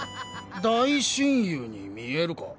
大親友に見えるか？